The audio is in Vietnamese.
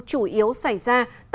chủ yếu xảy ra là một